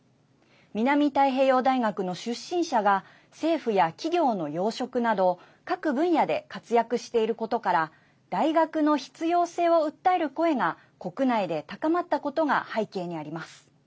南太平洋大学の出身者が政府や企業の要職など各分野で活躍していることから大学の必要性を訴える声が国内で高まったことが背景にあります。